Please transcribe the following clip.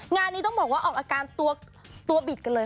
งานนี้ต้องบอกว่าออกอาการตัวบิดกันเลย